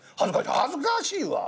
「恥ずかしいわ！